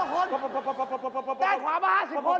โอ้โฮจะเดือกจะพัง